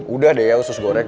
udah deh ya usus goreng